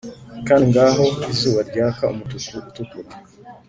kandi ngaho izuba ryaka umutuku utukura,